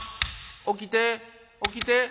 起きて起きて。